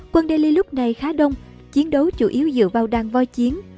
quân delhi lúc này khá đông chiến đấu chủ yếu dựa vào đàn voi chiến